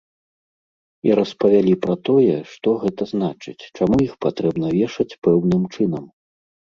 І распавялі пра тое, што гэта значыць, чаму іх патрэбна вешаць пэўным чынам.